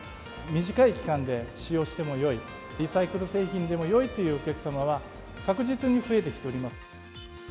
短い期間で使用してもよい、リサイクル製品でもよいというお客様は、確実に増えてきております。